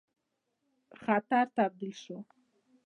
خطر تبدیل شو.